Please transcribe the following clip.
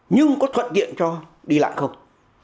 nhưng có thuận tiện cho đi lãng không